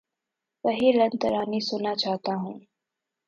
وہی لن ترانی سنا چاہتا ہوں